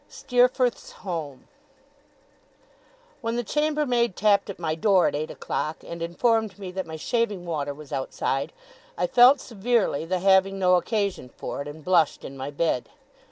STEERFORTH'S HOME When the chambermaid tapped at my door at eight o'clock, and informed me that my shaving water was outside, I felt severely the having no occasion for it, and blushed in my bed.